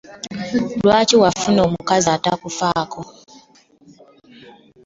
Lwaki wafuna omukazi atakufaako?